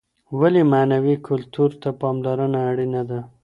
ولي معنوي کلتور ته پاملرنه اړينه ده؟